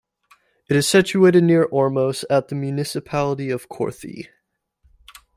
It is situated near Ormos at the Municipality of Korthi.